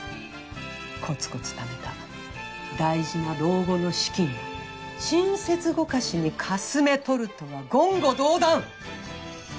コツコツためた大事な老後の資金を親切ごかしにかすめ取るとは言語道断！